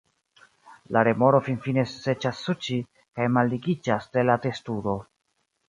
La remoro finfine ĉesas suĉi, kaj malligiĝas de la testudo.